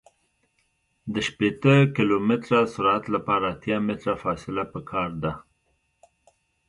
د شپیته کیلومتره سرعت لپاره اتیا متره فاصله پکار ده